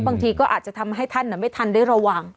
บางทีก็อาจจะทำให้ท่านไม่ทันได้ระวัง